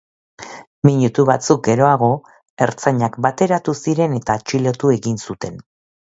Minutu batzuk geroago, ertzainak bertaratu ziren eta atxilotu egin zuten.